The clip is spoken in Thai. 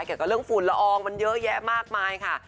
เกี่ยวกับเรื่องฝุ่นละอองมันเยอะแยะมากมายค่ะ